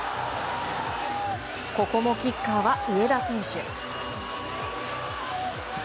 ここもキッカーは上田選手。